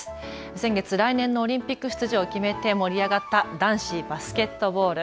先月、来年のオリンピック出場を決めて盛り上がった男子バスケットボール。